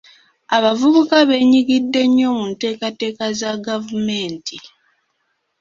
Abavubuka beenyigidde nnyo mu nteekateeka za gavumenti.